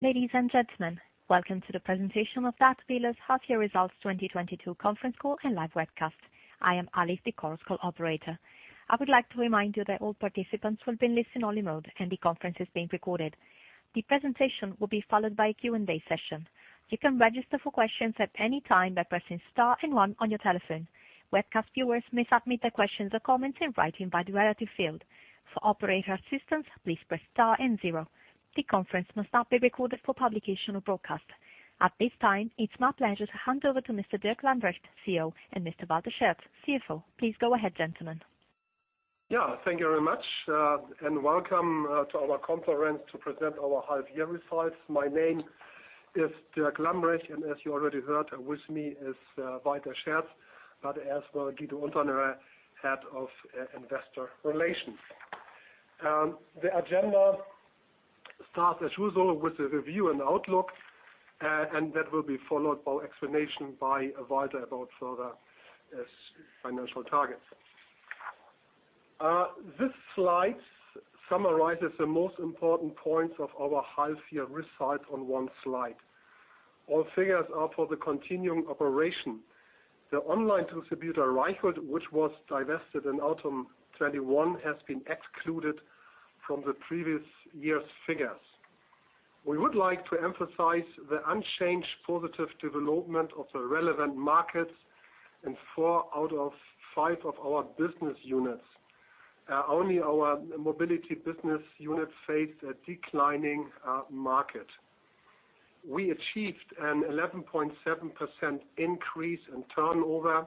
Ladies and gentlemen, welcome to the presentation of Dätwyler half-year results 2022 conference call and live webcast. I am Alice, the call operator. I would like to remind you that all participants will be in listen-only mode and the conference is being recorded. The presentation will be followed by a Q&A session. You can register for questions at any time by pressing star and one on your telephone. Webcast viewers may submit their questions or comments in writing by the relevant field. For operator assistance, please press star and zero. The conference must not be recorded for publication or broadcast. At this time, it's my pleasure to hand over to Mr. Dirk Lambrecht, CEO, and Mr. Walter Scherz, CFO. Please go ahead, gentlemen. Yeah. Thank you very much, and welcome to our conference to present our half year results. My name is Dirk Lambrecht, and as you already heard, with me is Walter Scherz, but as well Guido Unternährer, Head of Investor Relations. The agenda starts as usual with the review and outlook, and that will be followed by explanation by Walter about further financial targets. This slide summarizes the most important points of our half year results on one slide. All figures are for the continuing operation. The online distributor, Reichelt, which was divested in autumn 2021, has been excluded from the previous year's figures. We would like to emphasize the unchanged positive development of the relevant markets in four out of five of our business units. Only our mobility business unit faced a declining market. We achieved an 11.7% increase in turnover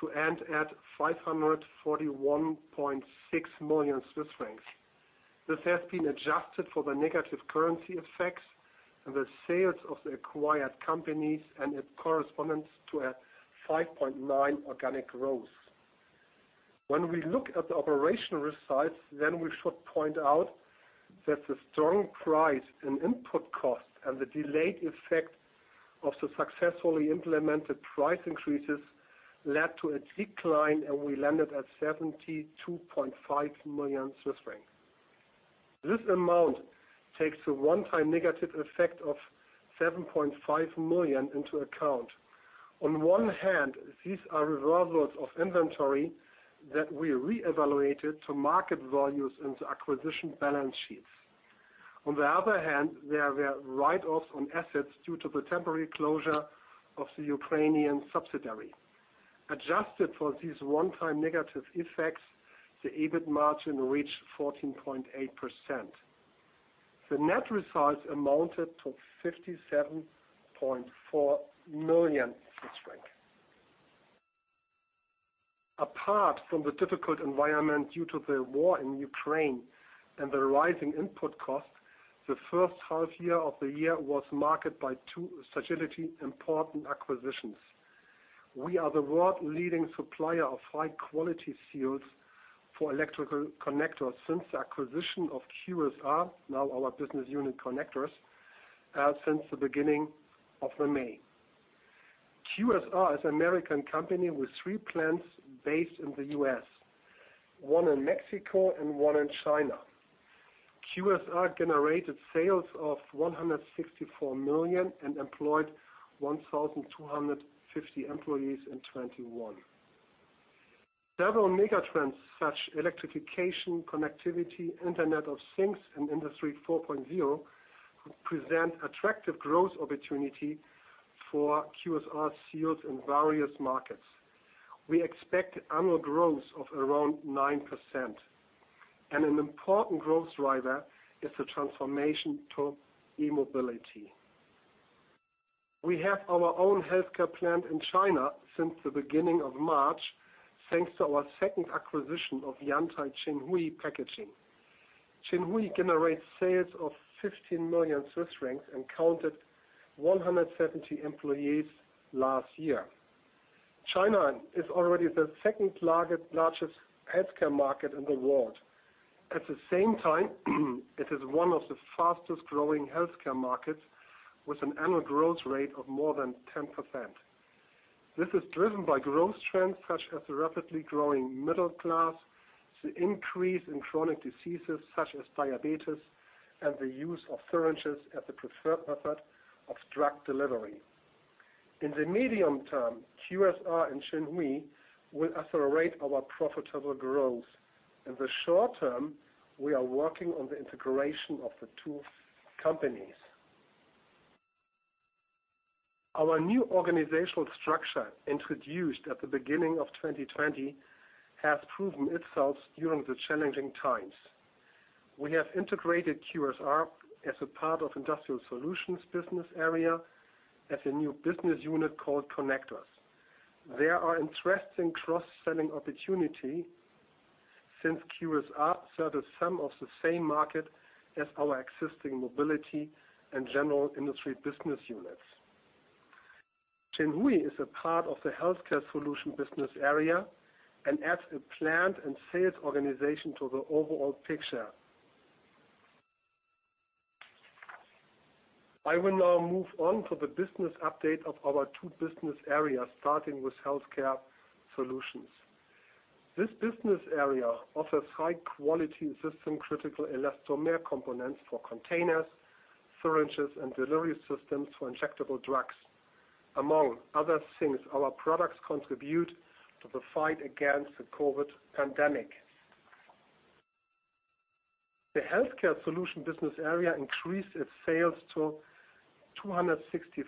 to end at 541.6 million Swiss francs. This has been adjusted for the negative currency effects and the sales of the acquired companies, and it corresponds to a 5.9% organic growth. When we look at the operational results, we should point out that the strong price and input costs and the delayed effect of the successfully implemented price increases led to a decline, and we landed at 72.5 million Swiss francs. This amount takes a one-time negative effect of 7.5 million into account. On one hand, these are reversals of inventory that we re-evaluated to market values and to acquisition balance sheets. On the other hand, there were write-offs on assets due to the temporary closure of the Ukrainian subsidiary. Adjusted for these one-time negative effects, the EBIT margin reached 14.8%. The net results amounted to CHF 57.4 million. Apart from the difficult environment due to the war in Ukraine and the rising input costs, the first half-year of the year was marked by two strategically important acquisitions. We are the world-leading supplier of high-quality seals for electrical connectors since the acquisition of QSR, now our business unit Connectors, since the beginning of May. QSR is an American company with three plants based in the U.S., one in Mexico and one in China. QSR generated sales of $164 million and employed 1,250 employees in 2021. Several megatrends such as electrification, connectivity, Internet of Things and Industry 4.0 present attractive growth opportunity for QSR sales in various markets. We expect annual growth of around 9%. An important growth driver is the transformation to e-mobility. We have our own healthcare plant in China since the beginning of March, thanks to our second acquisition of Yantai Xinhui Packing. Xinhui generates sales of 15 million Swiss francs and counted 170 employees last year. China is already the second largest healthcare market in the world. At the same time, it is one of the fastest growing healthcare markets with an annual growth rate of more than 10%. This is driven by growth trends such as the rapidly growing middle class, the increase in chronic diseases such as diabetes, and the use of syringes as the preferred method of drug delivery. In the medium term, QSR and Xinhui will accelerate our profitable growth. In the short term, we are working on the integration of the two companies. Our new organizational structure, introduced at the beginning of 2020, has proven itself during the challenging times. We have integrated QSR as a part of Industrial Solutions business area as a new business unit called Connectors. There are interesting cross-selling opportunity since QSR serves some of the same market as our existing mobility and general industry business units. Xinhui is a part of the Healthcare Solutions business area and adds a plant and sales organization to the overall picture. I will now move on to the business update of our two business areas, starting with Healthcare Solutions. This business area offers high quality system-critical elastomer components for containers, syringes, and delivery systems for injectable drugs. Among other things, our products contribute to the fight against the COVID pandemic. The Healthcare Solutions business area increased its sales to 265.7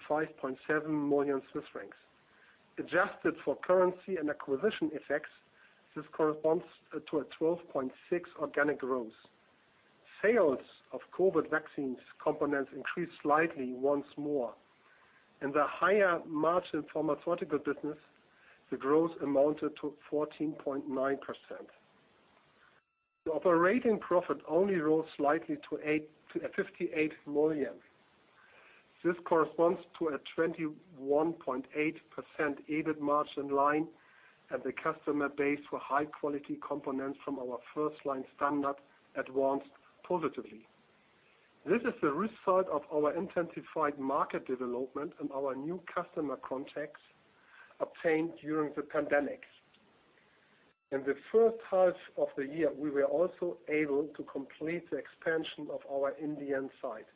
million Swiss francs. Adjusted for currency and acquisition effects, this corresponds to 12.6% organic growth. Sales of COVID vaccine components increased slightly once more. In the higher margin pharmaceutical business, the growth amounted to 14.9%. The operating profit only rose slightly to 58 million. This corresponds to a 21.8% EBIT margin, and the customer base for high quality components from our FirstLine standard expanded positively. This is the result of our intensified market development and our new customer contracts obtained during the pandemic. In the first half of the year, we were also able to complete the expansion of our Indian site.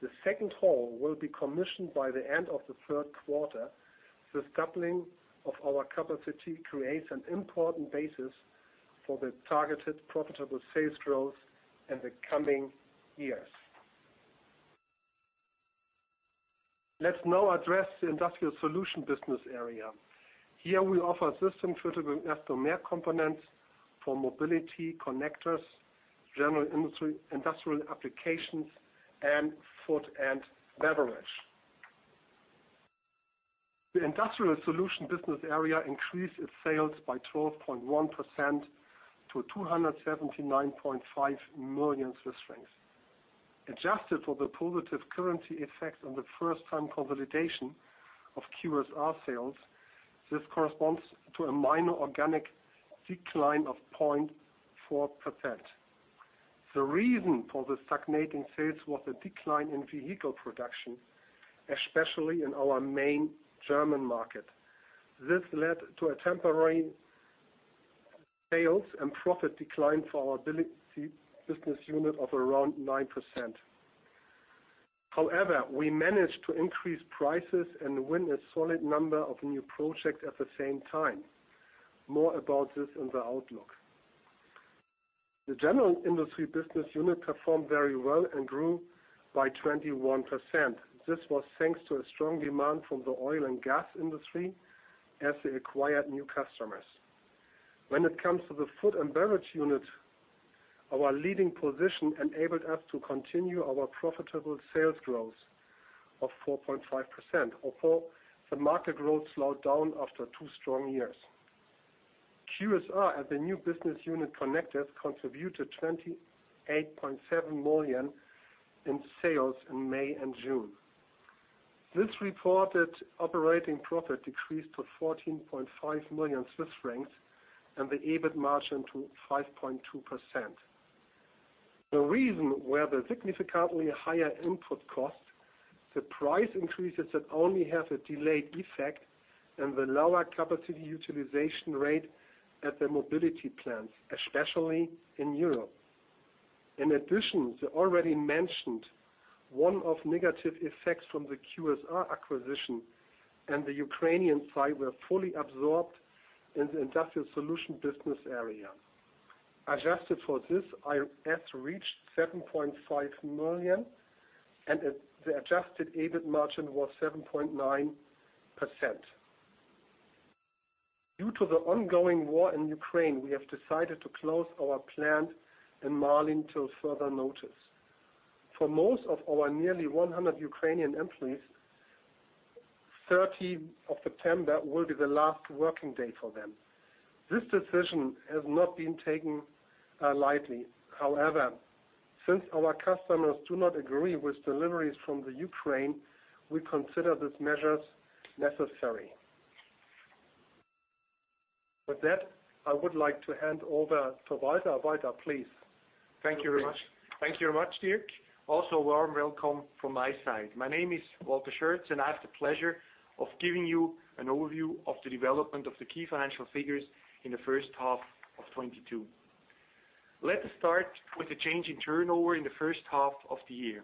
The second hall will be commissioned by the end of the third quarter. This doubling of our capacity creates an important basis for the targeted profitable sales growth in the coming years. Let's now address the Industrial Solutions business area. Here, we offer system-critical elastomer components for mobility connectors, general industry, industrial applications, and food and beverage. The Industrial Solutions business area increased its sales by 12.1% to 279.5 million Swiss francs. Adjusted for the positive currency effects on the first time consolidation of QSR sales, this corresponds to a minor organic decline of 0.4%. The reason for the stagnating sales was a decline in vehicle production, especially in our main German market. This led to a temporary sales and profit decline for our mobility business unit of around 9%. However, we managed to increase prices and win a solid number of new projects at the same time. More about this in the outlook. The general industry business unit performed very well and grew by 21%. This was thanks to a strong demand from the oil and gas industry as they acquired new customers. When it comes to the food and beverage unit, our leading position enabled us to continue our profitable sales growth of 4.5%, although the market growth slowed down after two strong years. QSR as a new business unit Connectors contributed 28.7 million in sales in May and June. The reported operating profit decreased to 14.5 million Swiss francs and the EBIT margin to 5.2%. The reason were the significantly higher input costs, the price increases that only have a delayed effect, and the lower capacity utilization rate at the mobility plants, especially in Europe. In addition, the already mentioned one-off negative effects from the QSR acquisition and the Ukrainian site were fully absorbed in the Industrial Solutions business area. Adjusted for this, IS reached 7.5 million and the adjusted EBIT margin was 7.9%. Due to the ongoing war in Ukraine, we have decided to close our plant in Malyn till further notice. For most of our nearly 100 Ukrainian employees, 13th of September will be the last working day for them. This decision has not been taken lightly. However, since our customers do not agree with deliveries from the Ukraine, we consider these measures necessary. With that, I would like to hand over to Walter. Walter, please. Thank you very much. Thank you very much, Dirk. Also, warm welcome from my side. My name is Walter Scherz, and I have the pleasure of giving you an overview of the development of the key financial figures in the first half of 2022. Let us start with the change in turnover in the first half of the year.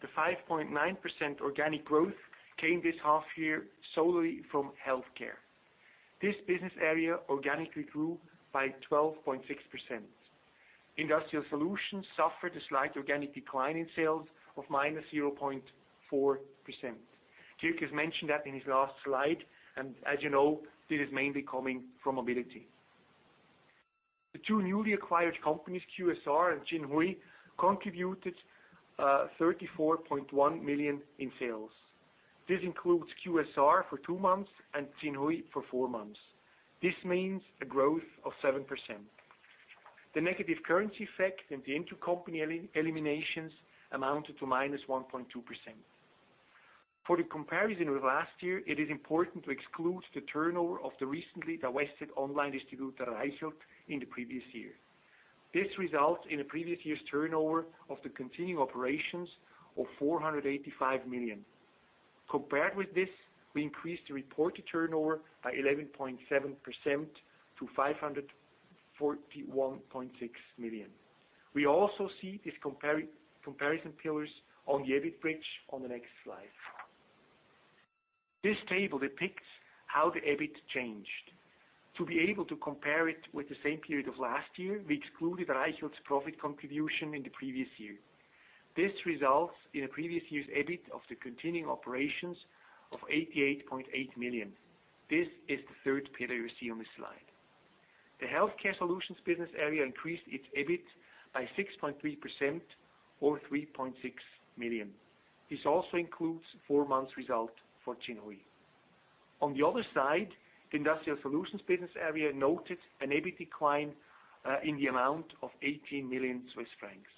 The 5.9% organic growth came this half year solely from healthcare. This business area organically grew by 12.6%. Industrial Solutions suffered a slight organic decline in sales of -0.4%. Dirk has mentioned that in his last slide, and as you know, this is mainly coming from mobility. The two newly acquired companies, QSR and Xinhui, contributed 34.1 million in sales. This includes QSR for two months and Xinhui for four months. This means a growth of 7%. The negative currency effect and the intercompany eliminations amounted to -1.2%. For the comparison with last year, it is important to exclude the turnover of the recently divested online distributor, Reichelt, in the previous year. This results in the previous year's turnover of the continuing operations of 485 million. Compared with this, we increased the reported turnover by 11.7% to 541.6 million. We also see these comparison pillars on the EBIT bridge on the next slide. This table depicts how the EBIT changed. To be able to compare it with the same period of last year, we excluded Reichelt's profit contribution in the previous year. This results in a previous year's EBIT of the continuing operations of 88.8 million. This is the third pillar you see on this slide. The Healthcare Solutions business area increased its EBIT by 6.3% or 3.6 million. This also includes four months result for Xinhui. On the other side, Industrial Solutions business area noted an EBIT decline in the amount of 18 million Swiss francs.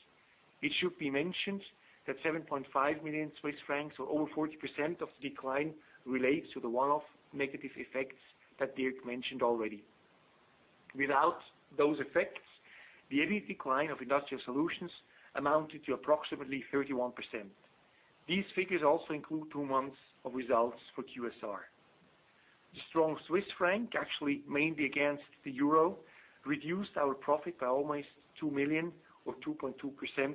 It should be mentioned that 7.5 million Swiss francs or over 40% of the decline relates to the one-off negative effects that Dirk mentioned already. Without those effects, the EBIT decline of Industrial Solutions amounted to approximately 31%. These figures also include two months of results for QSR. The strong Swiss franc, actually mainly against the euro, reduced our profit by almost 2 million or 2.2%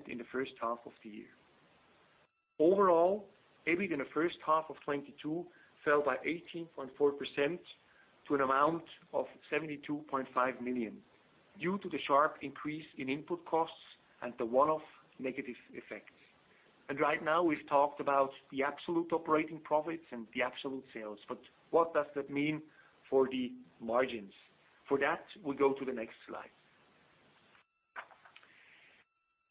in the first half of the year. Overall, EBIT in the first half of 2022 fell by 18.4% to an amount of 72.5 million due to the sharp increase in input costs and the one-off negative effects. Right now we've talked about the absolute operating profits and the absolute sales, but what does that mean for the margins? For that, we go to the next slide.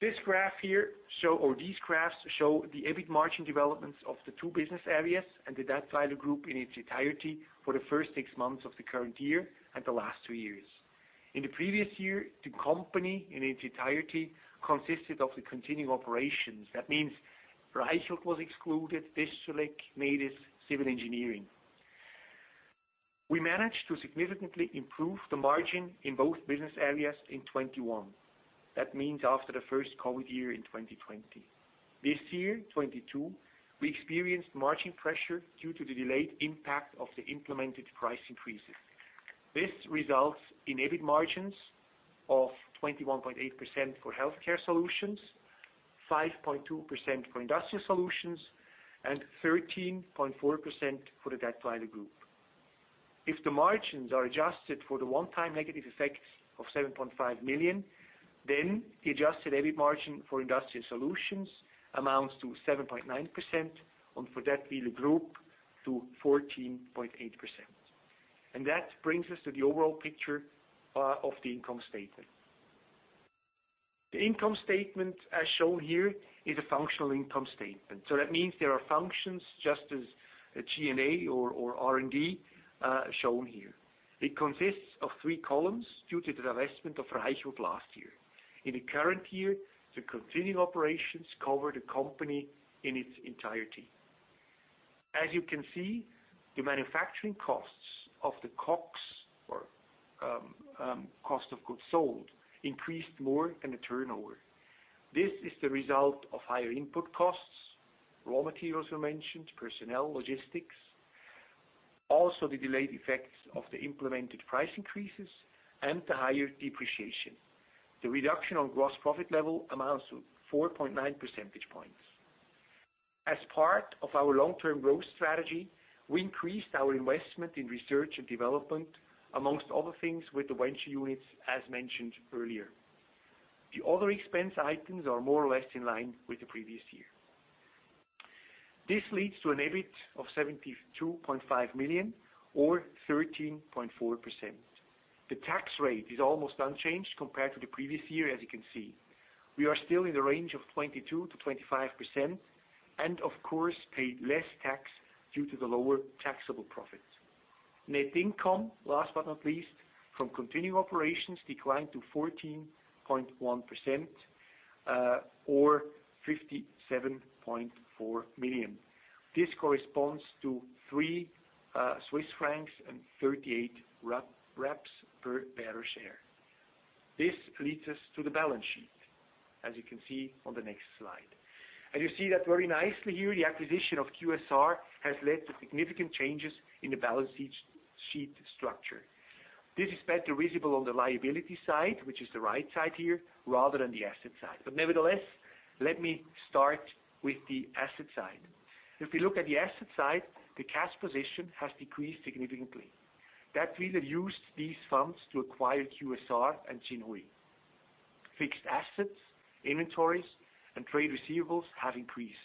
This graph here show, or these graphs show the EBIT margin developments of the two business areas and the Dätwyler Group in its entirety for the first six months of the current year and the last two years. In the previous year, the company in its entirety consisted of the continuing operations. That means Reichelt was excluded, Distrelec, Nedis, Civil Engineering. We managed to significantly improve the margin in both business areas in 2021. That means after the first COVID year in 2020. This year, 2022, we experienced margin pressure due to the delayed impact of the implemented price increases. This results in EBIT margins of 21.8% for Healthcare Solutions, 5.2% for Industrial Solutions, and 13.4% for the Dätwyler Group. If the margins are adjusted for the one-time negative effects of 7.5 million, then the adjusted EBIT margin for Industrial Solutions amounts to 7.9% and for Dätwyler Group to 14.8%. That brings us to the overall picture of the income statement. The income statement as shown here is a functional income statement. That means there are functions just as a G&A or R&D shown here. It consists of three columns due to the divestment of Reichelt last year. In the current year, the continuing operations cover the company in its entirety. As you can see, the manufacturing costs of the COGS or cost of goods sold increased more than the turnover. This is the result of higher input costs, raw materials were mentioned, personnel, logistics, also the delayed effects of the implemented price increases and the higher depreciation. The reduction on gross profit level amounts to 4.9 percentage points. As part of our long-term growth strategy, we increased our investment in research and development, among other things, with the Venture Unit as mentioned earlier. The other expense items are more or less in line with the previous year. This leads to an EBIT of 72.5 million or 13.4%. The tax rate is almost unchanged compared to the previous year, as you can see. We are still in the range of 22%-25% and of course paid less tax due to the lower taxable profit. Net income, last but not least, from continuing operations declined to 14.1%, or 57.4 million. This corresponds to 3.38 Swiss francs per bearer share. This leads us to the balance sheet as you can see on the next slide. You see that very nicely here, the acquisition of QSR has led to significant changes in the balance sheet structure. This is better visible on the liability side, which is the right side here, rather than the asset side. Nevertheless, let me start with the asset side. If we look at the asset side, the cash position has decreased significantly. Dätwyler used these funds to acquire QSR and Xinhui. Fixed assets, inventories, and trade receivables have increased.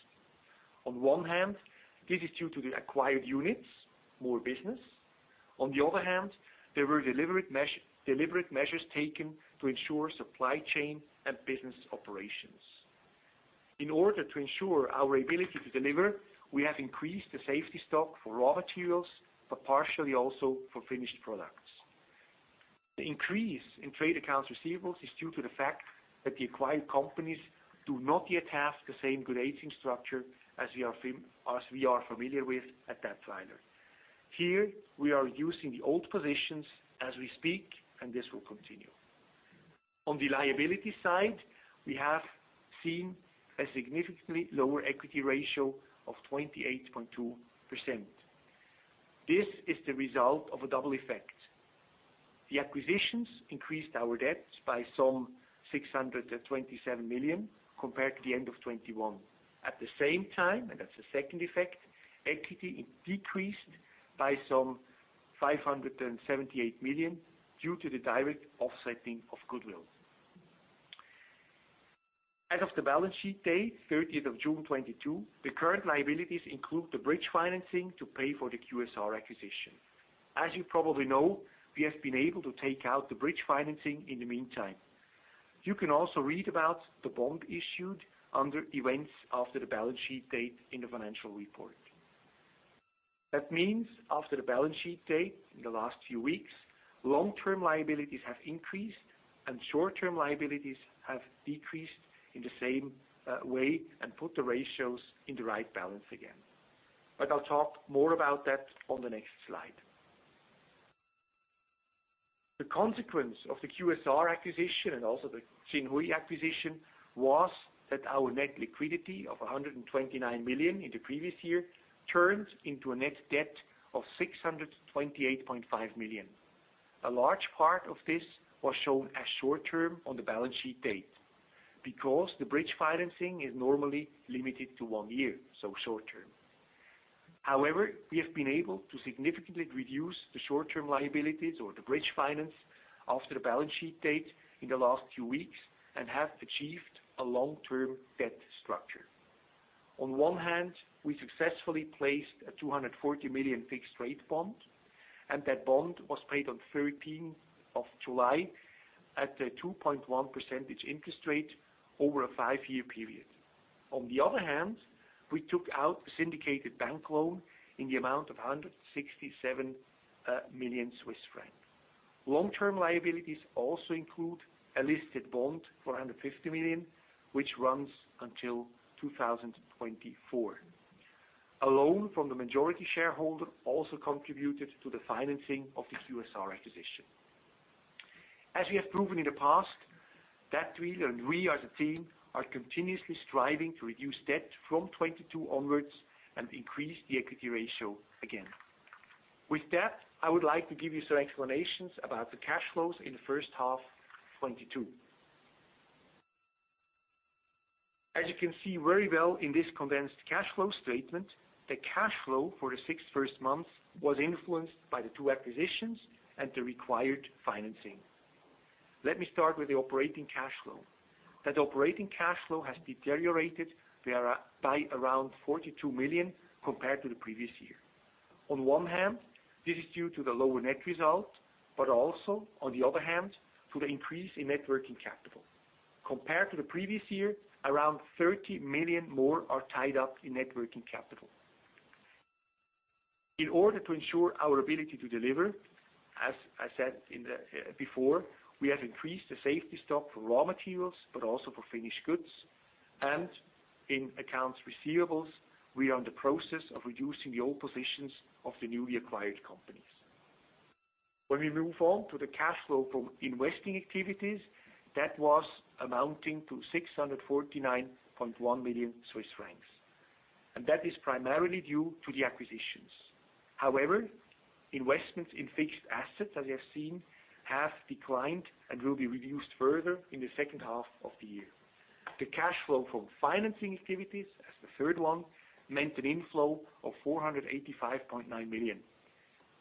On one hand, this is due to the acquired units, more business. On the other hand, there were deliberate measures taken to ensure supply chain and business operations. In order to ensure our ability to deliver, we have increased the safety stock for raw materials, but partially also for finished products. The increase in trade accounts receivables is due to the fact that the acquired companies do not yet have the same good aging structure as we are familiar with at Dätwyler. Here, we are using the old positions as we speak, and this will continue. On the liability side, we have seen a significantly lower equity ratio of 28.2%. This is the result of a double effect. The acquisitions increased our debts by some 627 million compared to the end of 2021. At the same time, and that's the second effect, equity decreased by some 578 million due to the direct offsetting of goodwill. As of the balance sheet date, 30th of June 2022, the current liabilities include the bridge financing to pay for the QSR acquisition. As you probably know, we have been able to take out the bridge financing in the meantime. You can also read about the bond issued under events after the balance sheet date in the financial report. That means after the balance sheet date in the last few weeks, long-term liabilities have increased and short-term liabilities have decreased in the same way and put the ratios in the right balance again. I'll talk more about that on the next slide. The consequence of the QSR acquisition and also the Xinhui acquisition was that our net liquidity of 129 million in the previous year turned into a net debt of 628.5 million. A large part of this was shown as short-term on the balance sheet date because the bridge financing is normally limited to one year, so short-term. However, we have been able to significantly reduce the short-term liabilities or the bridge finance after the balance sheet date in the last few weeks and have achieved a long-term debt structure. On one hand, we successfully placed a 240 million fixed rate bond, and that bond was paid on 13th of July at a 2.1% interest rate over a five-year period. On the other hand, we took out a syndicated bank loan in the amount of 167 million Swiss francs. Long-term liabilities also include a listed bond for 150 million, which runs until 2024. A loan from the majority shareholder also contributed to the financing of the QSR acquisition. As we have proven in the past, that we as a team are continuously striving to reduce debt from 2022 onwards and increase the equity ratio again. With that, I would like to give you some explanations about the cash flows in the first half of 2022. As you can see very well in this condensed cash flow statement, the cash flow for the first six months was influenced by the two acquisitions and the required financing. Let me start with the operating cash flow. That operating cash flow has deteriorated there by around 42 million compared to the previous year. On one hand, this is due to the lower net result, but also on the other hand, to the increase in net working capital. Compared to the previous year, around 30 million more are tied up in net working capital. In order to ensure our ability to deliver, as I said before, we have increased the safety stock for raw materials, but also for finished goods. In accounts receivables, we are in the process of reducing the old positions of the newly acquired companies. When we move on to the cash flow from investing activities, that was amounting to 649.1 million Swiss francs. That is primarily due to the acquisitions. However, investments in fixed assets, as you have seen, have declined and will be reduced further in the second half of the year. The cash flow from financing activities, as the third one, meant an inflow of 485.9 million.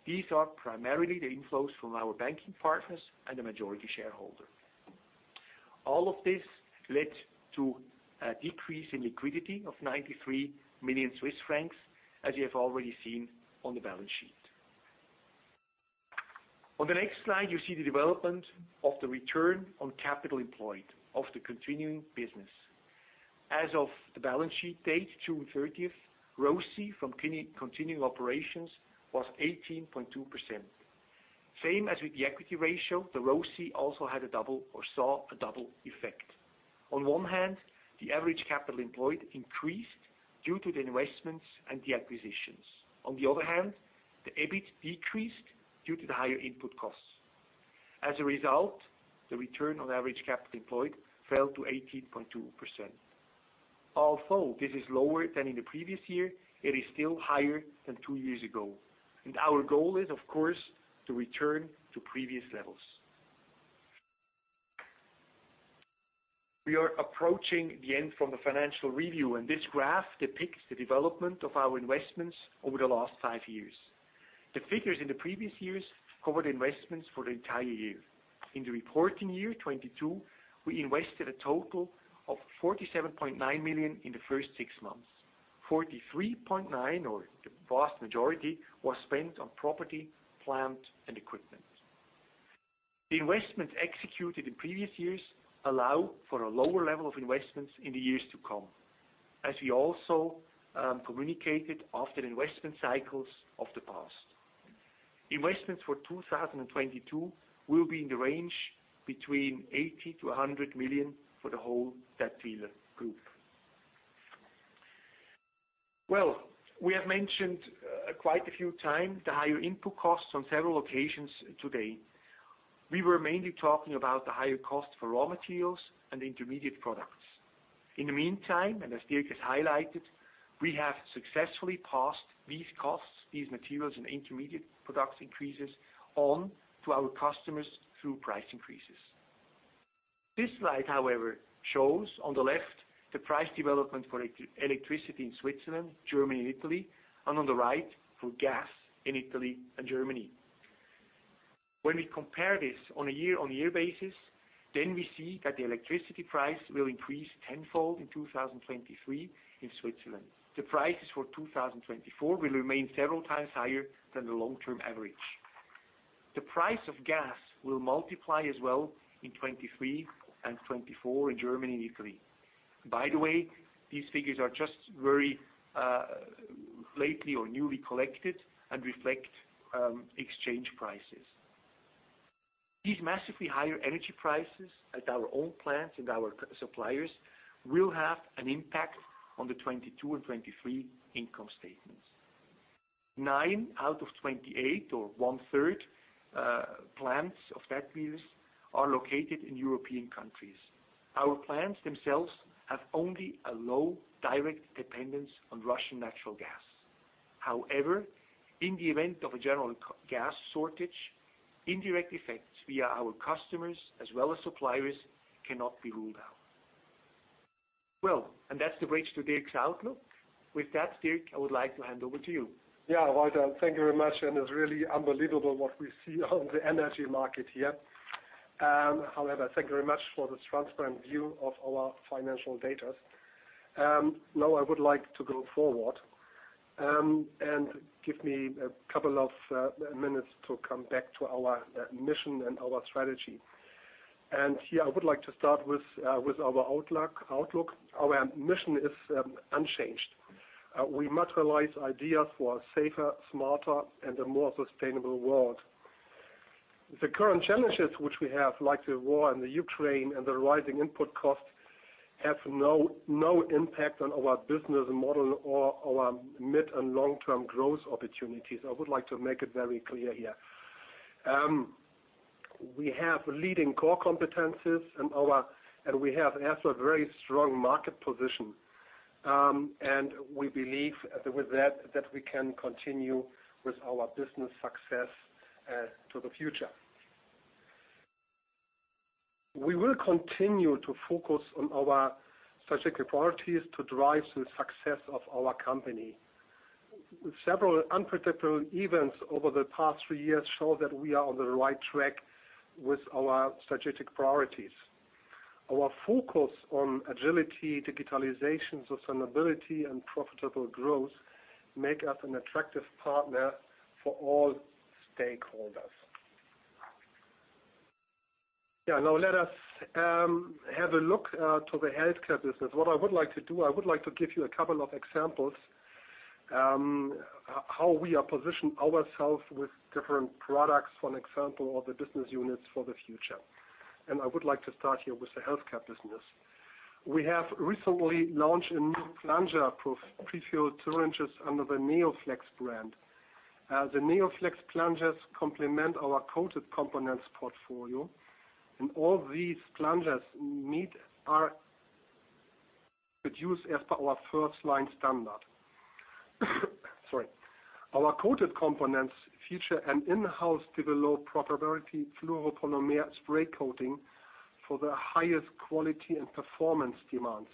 These are primarily the inflows from our banking partners and the majority shareholder. All of this led to a decrease in liquidity of 93 million Swiss francs, as you have already seen on the balance sheet. On the next slide, you see the development of the return on capital employed of the continuing business. As of the balance sheet date, June thirtieth, ROCE from continuing operations was 18.2%. Same as with the equity ratio, the ROCE also had a double or saw a double effect. On one hand, the average capital employed increased due to the investments and the acquisitions. On the other hand, the EBIT decreased due to the higher input costs. As a result, the return on average capital employed fell to 18.2%. Although this is lower than in the previous year, it is still higher than two years ago. Our goal is, of course, to return to previous levels. We are approaching the end from the financial review, and this graph depicts the development of our investments over the last five years. The figures in the previous years cover the investments for the entire year. In the reporting year, 2022, we invested a total of 47.9 million in the first six months. 43.9, or the vast majority, was spent on property, plant, and equipment. The investments executed in previous years allow for a lower level of investments in the years to come, as we also communicated after the investment cycles of the past. Investments for 2022 will be in the range between 80-100 million for the whole Dätwyler Group. Well, we have mentioned quite a few times the higher input costs on several occasions today. We were mainly talking about the higher cost for raw materials and intermediate products. In the meantime, and as Dirk has highlighted, we have successfully passed these costs, these materials, and intermediate product increases on to our customers through price increases. This slide, however, shows on the left the price development for electricity in Switzerland, Germany, and Italy, and on the right for gas in Italy and Germany. When we compare this on a year-on-year basis, then we see that the electricity price will increase tenfold in 2023 in Switzerland. The prices for 2024 will remain several times higher than the long-term average. The price of gas will multiply as well in 2023 and 2024 in Germany and Italy. By the way, these figures are just very lately or newly collected and reflect exchange prices. These massively higher energy prices at our own plants and our suppliers will have an impact on the 2022 and 2023 income statements. Nine out of 28 or 1/3 plants of that mix are located in European countries. Our plants themselves have only a low direct dependence on Russian natural gas. However, in the event of a general gas shortage, indirect effects via our customers as well as suppliers cannot be ruled out. Well, that's the bridge to Dirk's outlook. With that, Dirk, I would like to hand over to you. Yeah. Walter, thank you very much, and it's really unbelievable what we see on the energy market here. However, thank you very much for the transparent view of our financial data. Now I would like to go forward and give me a couple of minutes to come back to our mission and our strategy. Here I would like to start with our outlook. Our mission is unchanged. We materialize ideas for a safer, smarter, and a more sustainable world. The current challenges which we have, like the war in the Ukraine and the rising input costs, have no impact on our business model or our mid and long-term growth opportunities. I would like to make it very clear here. We have leading core competencies in our. We have also a very strong market position. We believe with that that we can continue with our business success to the future. We will continue to focus on our strategic priorities to drive the success of our company. Several unpredictable events over the past three years show that we are on the right track with our strategic priorities. Our focus on agility, digitalization, sustainability, and profitable growth make us an attractive partner for all stakeholders. Now let us have a look to the healthcare business. What I would like to do, I would like to give you a couple of examples, how we are positioned ourself with different products, for example, or the business units for the future. I would like to start here with the healthcare business. We have recently launched a new plunger for pre-filled syringes under the NeoFlex brand. The NeoFlex plungers complement our coated components portfolio, and all these plungers are produced as per our FirstLine standard. Our coated components feature an in-house developed proprietary fluoropolymer spray coating for the highest quality and performance demands.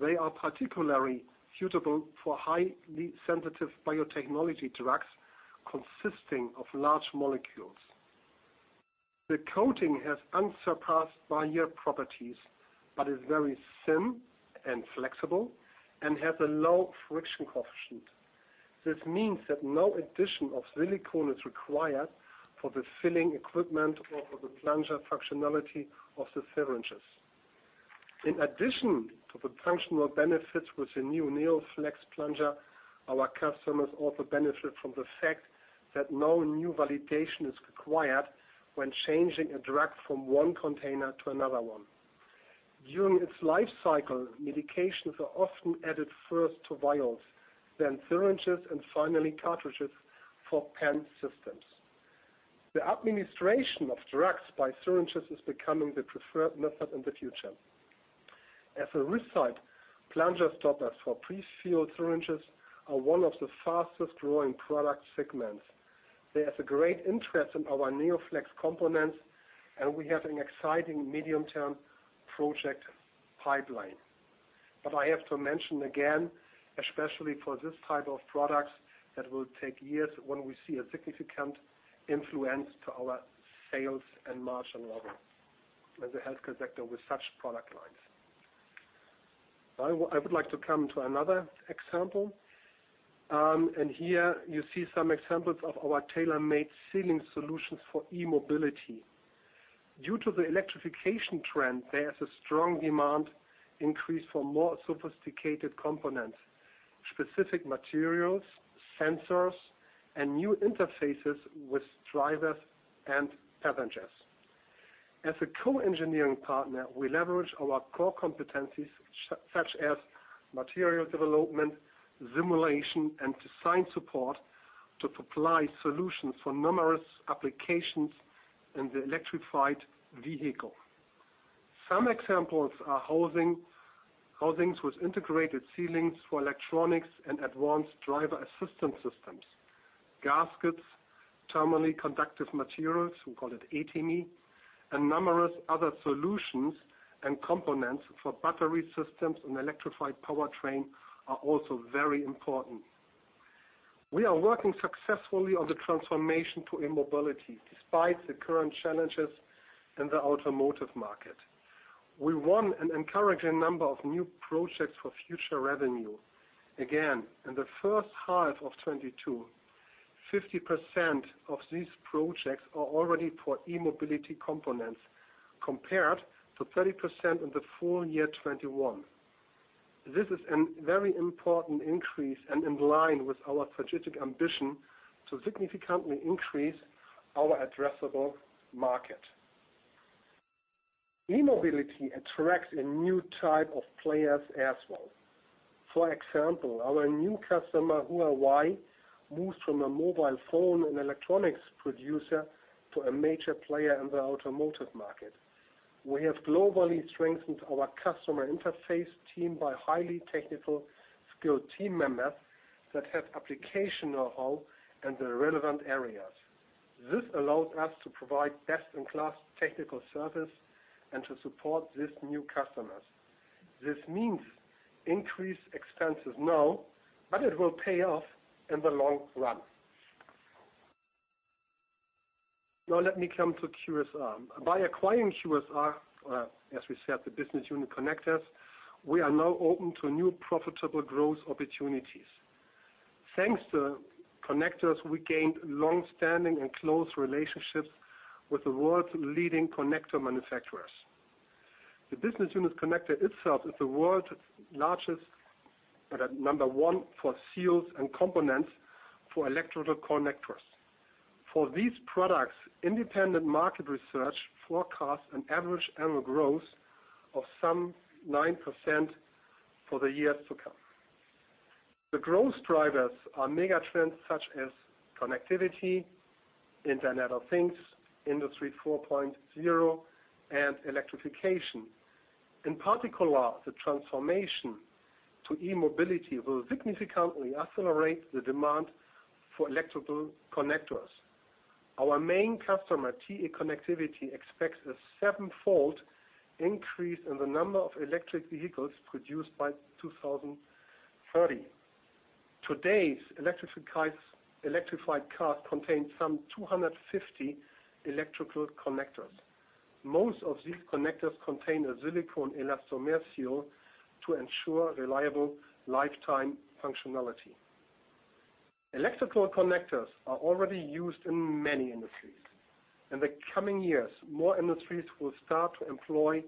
They are particularly suitable for highly sensitive biotechnology drugs consisting of large molecules. The coating has unsurpassed barrier properties, but is very thin and flexible and has a low friction coefficient. This means that no addition of silicone is required for the filling equipment or for the plunger functionality of the syringes. In addition to the functional benefits with the new NeoFlex plunger, our customers also benefit from the fact that no new validation is required when changing a drug from one container to another one. During its life cycle, medications are often added first to vials, then syringes, and finally cartridges for pen systems. The administration of drugs by syringes is becoming the preferred method in the future. As a result, plunger stoppers for pre-filled syringes are one of the fastest growing product segments. There is a great interest in our NeoFlex components, and we have an exciting medium-term project pipeline. I have to mention again, especially for this type of products, that will take years when we see a significant influence to our sales and margin level in the healthcare sector with such product lines. I would like to come to another example. Here you see some examples of our tailor-made sealing solutions for e-mobility. Due to the electrification trend, there is a strong demand increase for more sophisticated components, specific materials, sensors, and new interfaces with drivers and passengers. As a co-engineering partner, we leverage our core competencies such as material development, simulation, and design support to supply solutions for numerous applications in the electrified vehicle. Some examples are housing, housings with integrated ceilings for electronics and advanced driver-assistance systems, gaskets, thermally conductive materials, we call it ETEMI, and numerous other solutions and components for battery systems and electrified powertrain are also very important. We are working successfully on the transformation to e-mobility despite the current challenges in the automotive market. We won an encouraging number of new projects for future revenue. Again, in the first half of 2022, 50% of these projects are already for e-mobility components, compared to 30% in the full year 2021. This is a very important increase and in line with our strategic ambition to significantly increase our addressable market. e-mobility attracts a new type of players as well. For example, our new customer, Huawei, moves from a mobile phone and electronics producer to a major player in the automotive market. We have globally strengthened our customer interface team by highly technical skilled team members that have application know-how in the relevant areas. This allows us to provide best-in-class technical service and to support these new customers. This means increased expenses now, but it will pay off in the long run. Now let me come to QSR. By acquiring QSR, as we said, the business unit Connectors, we are now open to new profitable growth opportunities. Thanks to Connectors, we gained longstanding and close relationships with the world's leading connector manufacturers. The business unit Connectors itself is the world's largest, number one for seals and components for electrical connectors. For these products, independent market research forecasts an average annual growth of some 9% for the years to come. The growth drivers are mega trends such as connectivity, Internet of Things, Industry 4.0, and electrification. In particular, the transformation to e-mobility will significantly accelerate the demand for electrical connectors. Our main customer, TE Connectivity, expects a sevenfold increase in the number of electric vehicles produced by 2030. Today's electrified cars contain some 250 electrical connectors. Most of these connectors contain a silicone elastomer seal to ensure reliable lifetime functionality. Electrical connectors are already used in many industries. In the coming years, more industries will start to employ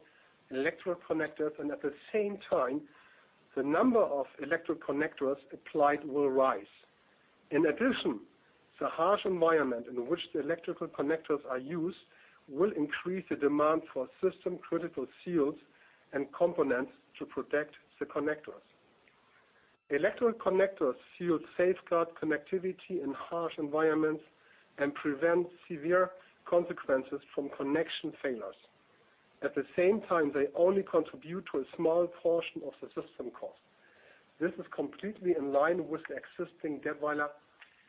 electrical connectors, and at the same time, the number of electrical connectors applied will rise. In addition, the harsh environment in which the electrical connectors are used will increase the demand for system-critical seals and components to protect the connectors. Electrical connectors' seals safeguard connectivity in harsh environments and prevent severe consequences from connection failures. At the same time, they only contribute to a small portion of the system cost. This is completely in line with the existing Gebauer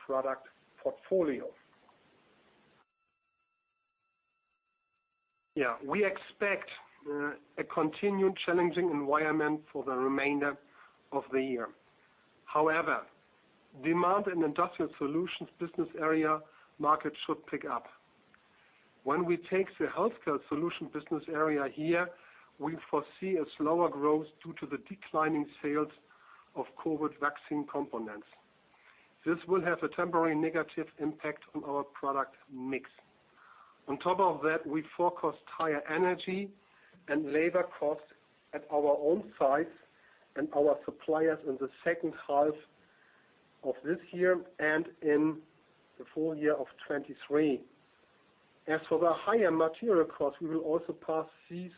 product portfolio. Yeah, we expect a continued challenging environment for the remainder of the year. However, demand in Industrial Solutions business area markets should pick up. When we take the Healthcare Solutions business area here, we foresee a slower growth due to the declining sales of COVID vaccine components. This will have a temporary negative impact on our product mix. On top of that, we forecast higher energy and labor costs at our own sites and our suppliers in the second half of this year and in the full year of 2023. As for the higher material costs, we will also pass these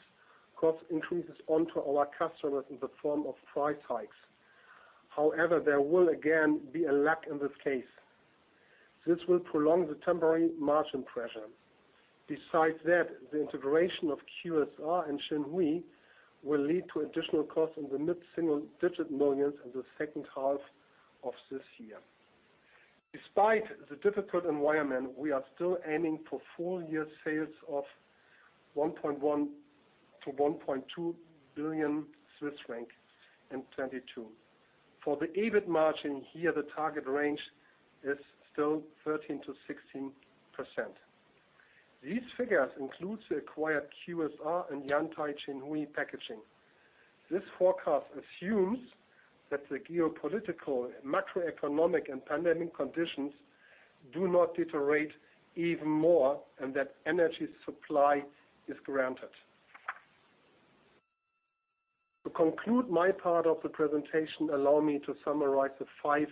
cost increases on to our customers in the form of price hikes. However, there will again be a lack in this case. This will prolong the temporary margin pressure. Besides that, the integration of QSR and Xinhui will lead to additional costs in the CHF mid-single-digit millions in the second half of this year. Despite the difficult environment, we are still aiming for full-year sales of 1.1 billion-1.2 billion Swiss franc in 2022. For the EBIT margin, here the target range is still 13%-16%. These figures includes the acquired QSR and Yantai Xinhui Packing. This forecast assumes that the geopolitical, macroeconomic, and pandemic conditions do not deteriorate even more and that energy supply is granted. To conclude my part of the presentation, allow me to summarize the five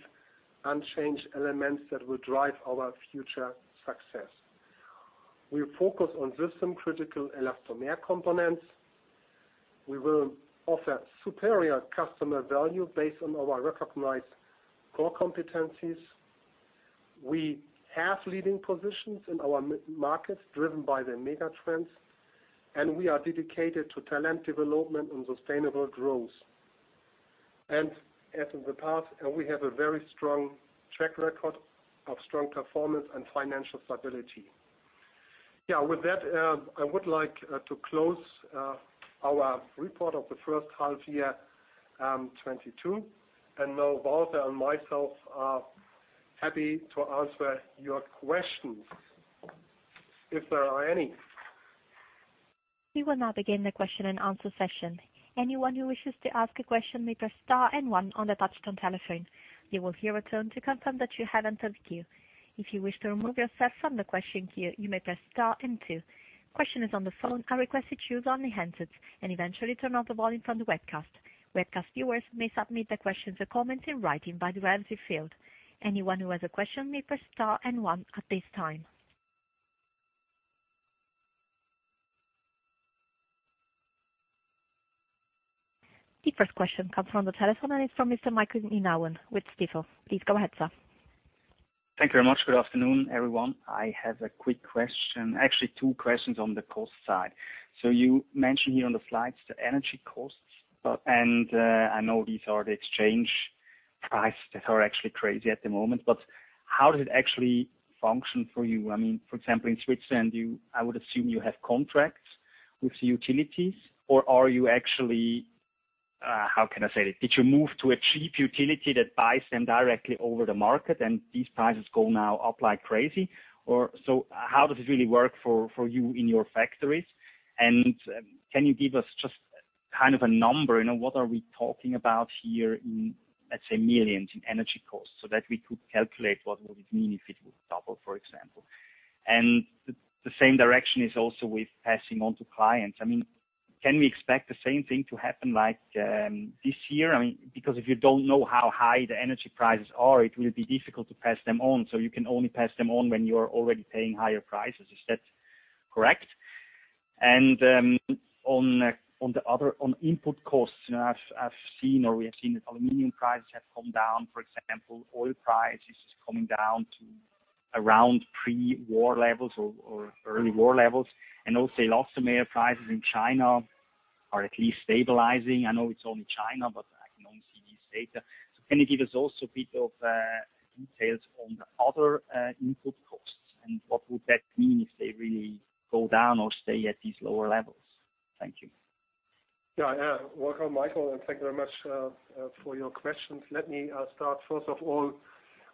unchanged elements that will drive our future success. We focus on system-critical elastomer components. We will offer superior customer value based on our recognized core competencies. We have leading positions in our markets, driven by the mega trends, and we are dedicated to talent development and sustainable growth. As in the past, we have a very strong track record of strong performance and financial stability. With that, I would like to close our report of the first half year 2022. Now Walter and myself are happy to answer your questions, if there are any. We will now begin the question and answer session. Anyone who wishes to ask a question may press star and one on the touch tone telephone. You will hear a tone to confirm that you have entered the queue. If you wish to remove yourself from the question queue, you may press star and two. Questioners on the phone are requested to use only handsets, and eventually turn off the volume from the webcast. Webcast viewers may submit their questions or comments in writing by the relevant field. Anyone who has a question may press star and one at this time. The first question comes from the telephone, and it's from Mr. Michael Nienaber with Reuters. Please go ahead, sir. Thank you very much. Good afternoon, everyone. I have a quick question. Actually two questions on the cost side. You mentioned here on the slides, the energy costs. Uh- I know these are the exchange prices that are actually crazy at the moment, but how does it actually function for you? I mean, for example, in Switzerland, you I would assume you have contracts with the utilities or are you actually, how can I say it? Did you move to a cheap utility that buys them directly over the market and these prices go now up like crazy? Or so how does it really work for you in your factories? Can you give us just kind of a number, you know, what are we talking about here in, let's say, millions in energy costs so that we could calculate what would it mean if it would double, for example? The same direction is also with passing on to clients. I mean, can we expect the same thing to happen like this year? I mean, because if you don't know how high the energy prices are, it will be difficult to pass them on. You can only pass them on when you're already paying higher prices. Is that correct? On the other input costs, you know, I've seen or we have seen that aluminum prices have come down, for example. Oil prices is coming down to around pre-war levels or early war levels. Also elastomer prices in China are at least stabilizing. I know it's only China, but I can only see this data. Can you give us also a bit of details on the other input costs, and what would that mean if they really go down or stay at these lower levels? Thank you. Yeah yeah. Welcome, Michael, and thank you very much for your questions. Let me start first of all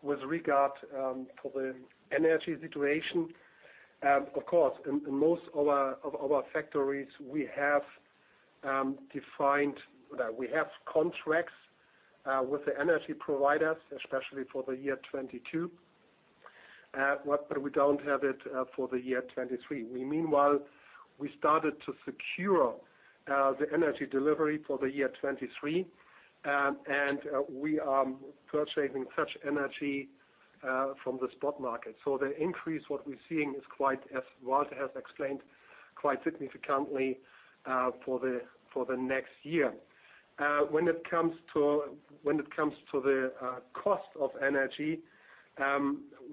with regard for the energy situation. Of course, in most of our factories we have defined that we have contracts with the energy providers, especially for the year 2022. We don't have it for the year 2023. We meanwhile started to secure the energy delivery for the year 2023. We are purchasing such energy from the spot market. The increase what we're seeing is quite, as Walter has explained, quite significantly for the next year. When it comes to the cost of energy,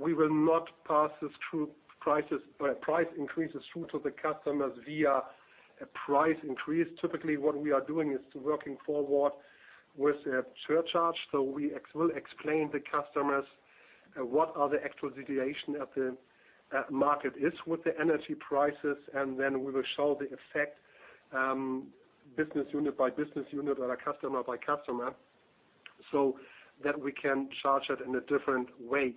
we will not pass this through price increases through to the customers via a price increase. Typically what we are doing is working forward with a surcharge. We will explain the customers what are the actual situation at the market is with the energy prices, and then we will show the effect, business unit by business unit or customer by customer, so that we can charge it in a different way.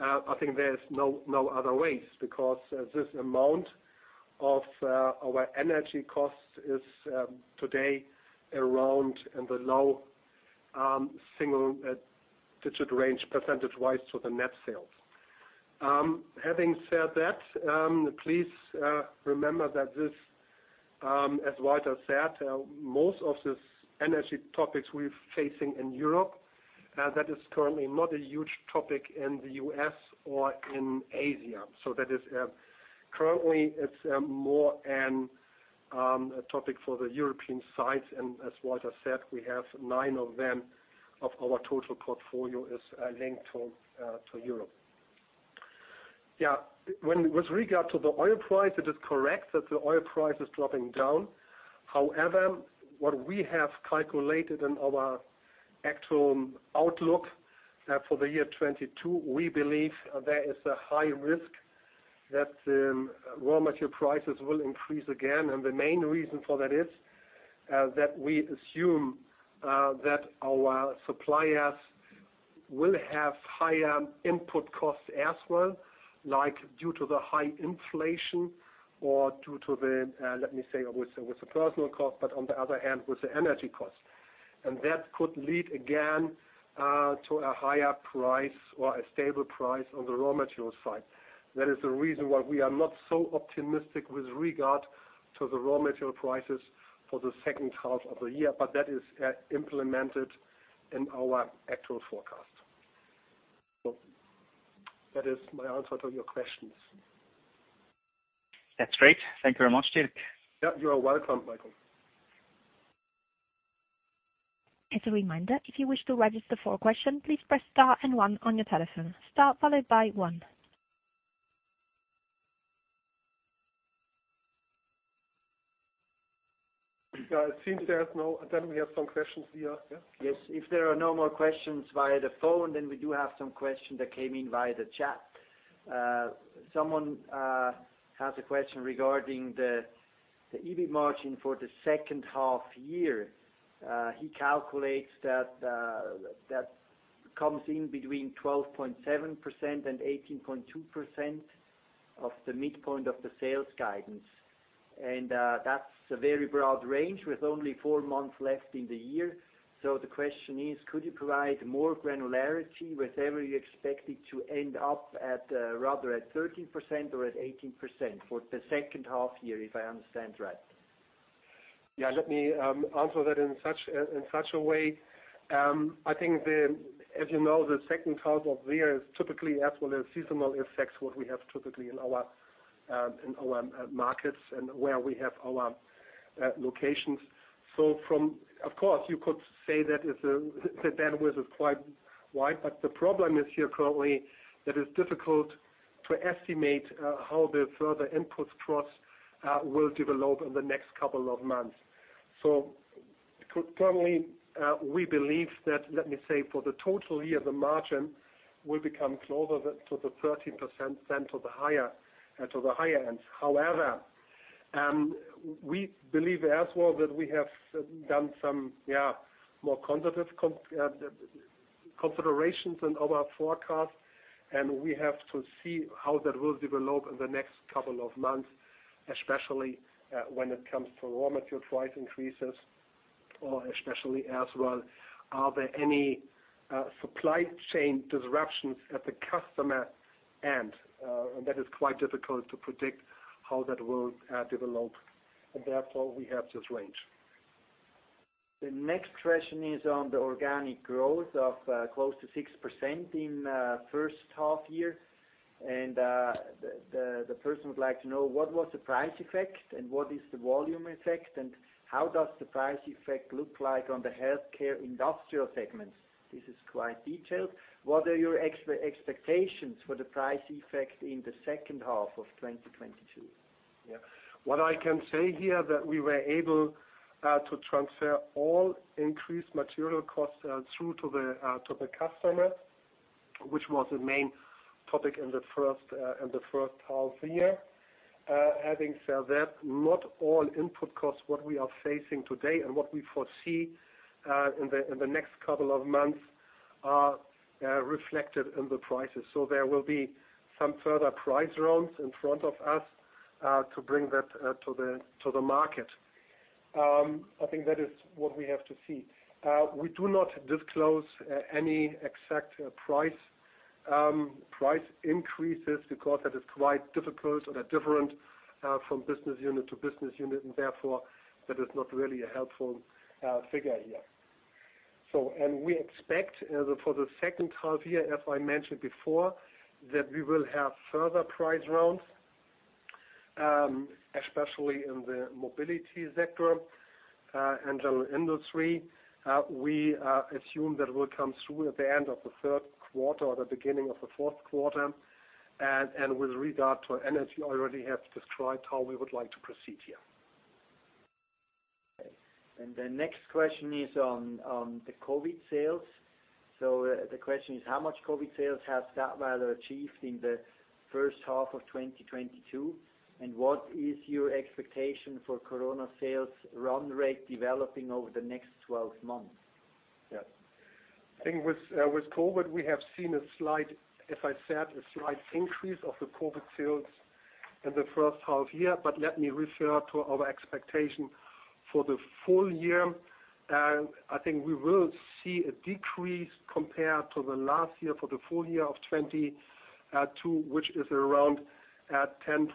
I think there is no other ways because this amount of our energy costs is today around in the low single digit range percentage-wise to the net sales. Having said that, please remember that this, as Walter said, most of this energy topics we're facing in Europe, that is currently not a huge topic in the U.S. or in Asia. That is currently it's more an a topic for the European sites, and as Walter said, we have nine of them of our total portfolio is linked to Europe. Yeah. With regard to the oil price, it is correct that the oil price is dropping down. However, what we have calculated in our actual outlook for the year 2022, we believe there is a high risk that raw material prices will increase again. The main reason for that is that we assume that our suppliers will have higher input costs as well, like due to the high inflation or due to the, let me say with the, with the personal cost, but on the other hand, with the energy cost. That could lead again to a higher price or a stable price on the raw materials side. That is the reason why we are not so optimistic with regard to the raw material prices for the second half of the year, but that is implemented in our actual forecast. That is my answer to your questions. That's great. Thank you very much, Dirk. Yeah, you are welcome, Michael. As a reminder, if you wish to register for a question, please press star and one on your telephone. Star followed by one. Yeah. We have some questions here. Yeah. Yes. If there are no more questions via the phone, then we do have some questions that came in via the chat. Someone has a question regarding the EBIT margin for the second half year. He calculates that it comes in between 12.7% and 18.2% of the midpoint of the sales guidance. That's a very broad range with only four months left in the year. The question is, could you provide more granularity, whether you expect it to end up at rather 13% or 18% for the second half year, if I understand right. Yeah. Let me answer that in such a way. I think, as you know, the second half of the year is typically as well as seasonal effects, what we have typically in our markets and where we have our locations. Of course, you could say that it's the bandwidth is quite wide, but the problem is here, currently that it's difficult to estimate how the further input costs will develop in the next couple of months. Currently, we believe that, let me say, for the total year, the margin will become closer to the 13% than to the higher ends. However, we believe as well that we have done some, yeah, more conservative considerations in our forecast, and we have to see how that will develop in the next couple of months, especially, when it comes to raw material price increases or especially as well, are there any, supply chain disruptions at the customer end. That is quite difficult to predict how that will develop, and therefore we have this range. The next question is on the organic growth of close to 6% in first half year. The person would like to know what was the price effect and what is the volume effect and how does the price effect look like on the healthcare industrial segments. This is quite detailed. What are your expectations for the price effect in the second half of 2022? Yeah. What I can say here that we were able to transfer all increased material costs through to the customer, which was the main topic in the first half of the year. Having said that, not all input costs, what we are facing today and what we foresee in the next couple of months are reflected in the prices. There will be some further price rounds in front of us to bring that to the market. I think that is what we have to see. We do not disclose any exact price increases because that is quite difficult or they're different from business unit to business unit, and therefore that is not really a helpful figure here. We expect for the second half year, as I mentioned before, that we will have further price rounds, especially in the mobility sector, and in industry. We assume that will come through at the end of the third quarter or the beginning of the fourth quarter. With regard to energy, I already have described how we would like to proceed here. Okay. The next question is on the COVID sales. The question is how much COVID sales has Dätwyler achieved in the first half of 2022? What is your expectation for Corona sales run rate developing over the next 12 months? Yeah. I think with COVID, we have seen a slight increase of the COVID sales in the first half year. Let me refer to our expectation for the full year. I think we will see a decrease compared to the last year for the full year of 2022, which is around 10%-15%.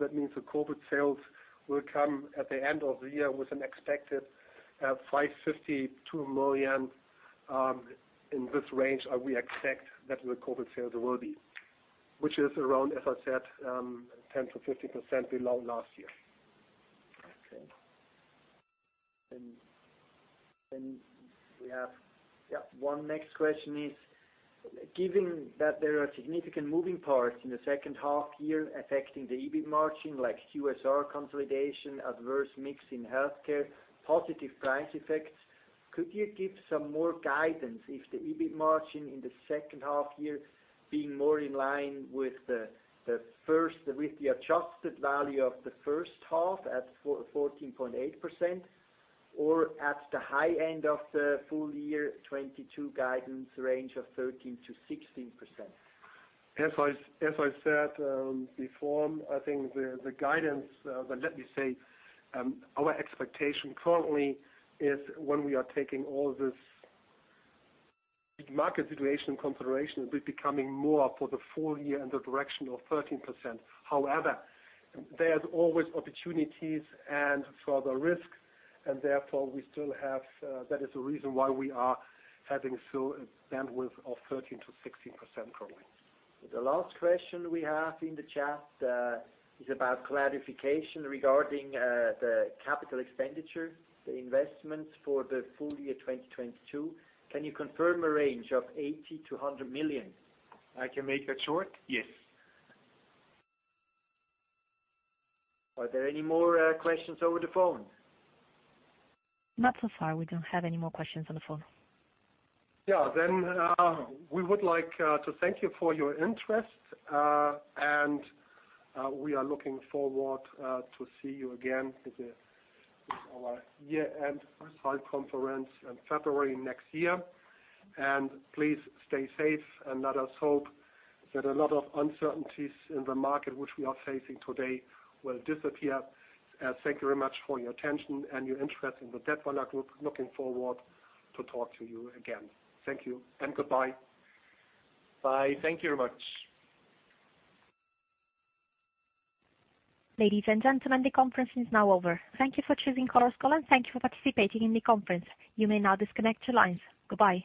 That means the COVID sales will come at the end of the year with an expected 552 million in this range. We expect that the COVID sales will be, which is around, as I said, 10%-15% below last year. Our next question is, given that there are significant moving parts in the second half year affecting the EBIT margin, like QSR consolidation, adverse mix in healthcare, positive price effects, could you give some more guidance if the EBIT margin in the second half year being more in line with the first, with the adjusted value of the first half at 14.8% or at the high end of the full year 2022 guidance range of 13%-16%? As I said before, I think the guidance, but let me say, our expectation currently is when we are taking all this market situation consideration will be becoming more for the full year in the direction of 13%. However, there's always opportunities and further risks, and therefore we still have, that is the reason why we are having still a bandwidth of 13%-16% currently. The last question we have in the chat is about clarification regarding the capital expenditure, the investments for the full year 2022. Can you confirm a range of 80 million-100 million? I can make that short. Yes. Are there any more questions over the phone? Not so far. We don't have any more questions on the phone. Yeah. We would like to thank you for your interest, and we are looking forward to see you again with our year-end results conference in February next year. Please stay safe, and let us hope that a lot of uncertainties in the market which we are facing today will disappear. Thank you very much for your attention and your interest in the Dätwyler Group. Looking forward to talk to you again. Thank you and goodbye. Bye. Thank you very much. Ladies and gentlemen, the conference is now over. Thank you for choosing Chorus Call, and thank you for participating in the conference. You may now disconnect your lines. Goodbye.